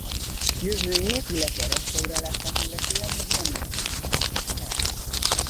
Jövőjét illetve restaurálását illetően még nem léteznek konkrét tervek.